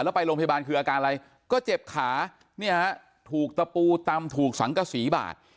แล้วไปโรงพยาบาลคืออาการอะไรก็เจ็บขาเนี่ยฮะถูกตะปูตำถูกสังกษีบาด